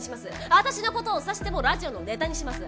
私の事を刺してもラジオのネタにします。